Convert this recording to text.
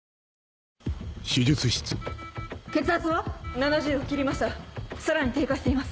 ７０を切りましたさらに低下しています。